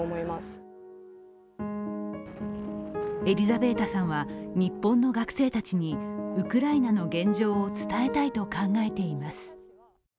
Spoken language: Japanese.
エリザベータさんは、日本の学生たちにウクライナの現状を伝えたいと考えています。